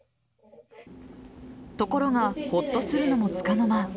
ところがほっとするのもつかの間。